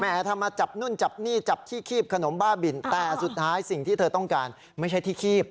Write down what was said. ทำมาจับนู่นจับนี่จับที่คีบขนมบ้าบินแต่สุดท้ายสิ่งที่เธอต้องการไม่ใช่ที่คีบ